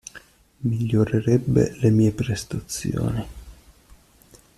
Migliorerebbe le mie prestazioni.